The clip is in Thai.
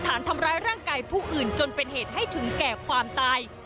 ฐานทำร้ายร่างกายผู้อื่นจนเป็นเหตุให้ถึงแก่ความตาย